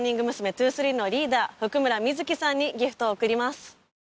’２３のリーダー譜久村聖さんにギフトを贈ります。